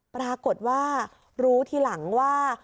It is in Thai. ปรากฏว่ารู้ทีหลังว่า